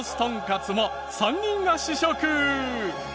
つも３人が試食。